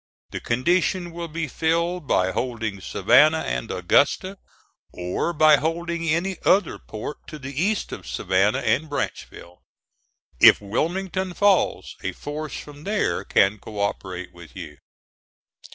The condition will be filled by holding Savannah and Augusta, or by holding any other port to the east of Savannah and Branchville. If Wilmington falls, a force from there can co operate with you.